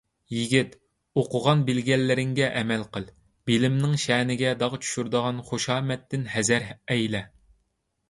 يىگىت، ئوقۇغان - بىلگەنلىرىڭگە ئەمەل قىل، بىلىمنىڭ شەنىگە داغ چۈشۈرىدىغان خۇشامەتتىن ھەزەر ئەيلە!